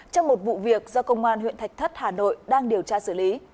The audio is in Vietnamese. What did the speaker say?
của công an huyện thạch thất hà nội đang điều tra xử lý